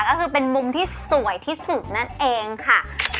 ก็คือเป็นมุมที่สวยที่สุดนั่นเองค่ะ